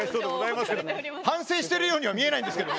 反省してるようには見えないんですけどね。